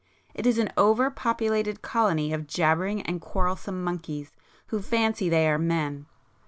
It is an over populated colony of jabbering and quarrelsome monkeys, who fancy they are men.